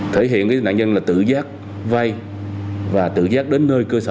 thể hiện nạn nhân là tự giác vay và tự giác đến nơi cơ sở